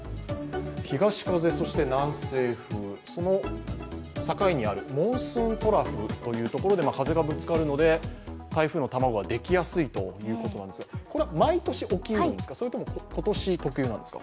東風、そして南西風、その境にあるモンスーントラフというところで風がぶつかるので、台風の卵ができやすいということですがこれは毎年起きうるんですかそれとも今年特有なんですか？